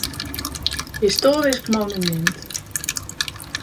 Histoarysk monumint.